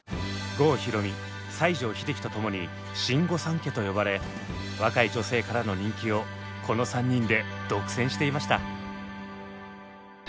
郷ひろみ西城秀樹とともに「新御三家」と呼ばれ若い女性からの人気をこの３人で独占していました。